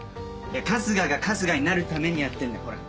春日が春日になるためにやってんだよ。